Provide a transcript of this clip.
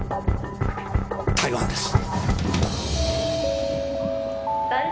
台湾です！